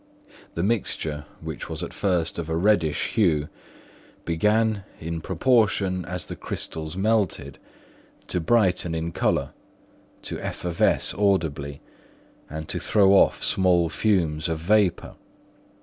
The mixture, which was at first of a reddish hue, began, in proportion as the crystals melted, to brighten in colour, to effervesce audibly, and to throw off small fumes of vapour.